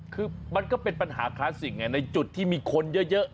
คือมันก็เป็นปัญหาคลาสสิกไงในจุดที่มีคนเยอะ